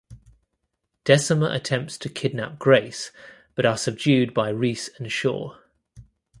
Decima attempts to kidnap Grace but are subdued by Reese and Shaw.